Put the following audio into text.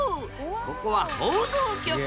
ここは報道局。